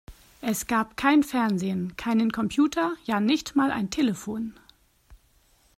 Es gab kein Fernsehen, keinen Computer, ja, nicht mal ein Telefon!